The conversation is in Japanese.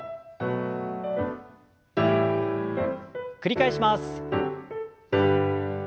繰り返します。